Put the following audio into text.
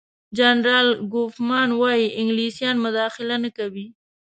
جنرال کوفمان وايي انګلیسان مداخله نه کوي.